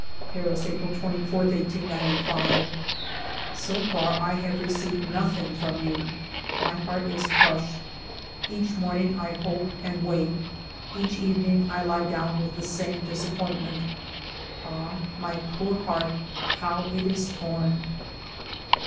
...*' Paris, April 24, 1895. " So far I have received nothing from you ; my heart is crushed. Each morning I hope and wait. Each evening I lie down with the same disappointment. Ah, my poor heart, how it is torn